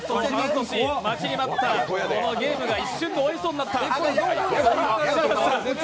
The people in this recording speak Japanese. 待ちに待ったこのゲームが一瞬で終わりそうになった。